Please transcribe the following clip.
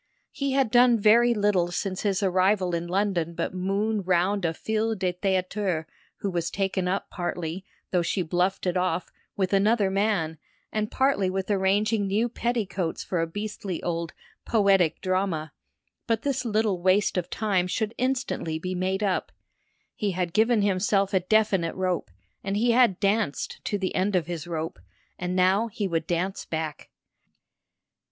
He had done very little since his arrival in London but moon round a fille de théâtre who was taken up partly, though she bluffed it off, with another man, and partly with arranging new petticoats for a beastly old "poetic drama"; but this little waste of time should instantly be made up. He had given himself a definite rope, and he had danced to the end of his rope, and now he would dance back.